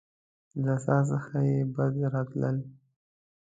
له څاه څخه يې بد راتلل.